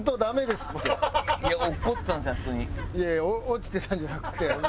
落ちてたんじゃなくて。